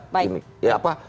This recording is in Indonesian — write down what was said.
yang mau kita buat